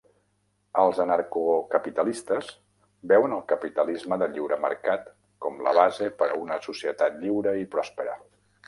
Els anarcocapitalistes veuen el capitalisme de lliure mercat com la base per a una societat lliure i pròspera.